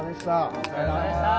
お疲れさまでした！